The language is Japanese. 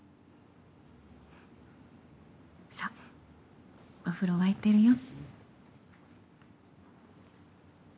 さお風呂わいてるよ。